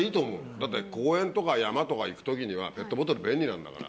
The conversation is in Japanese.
だって公園とか山とか行くときには、ペットボトル、便利なんだから。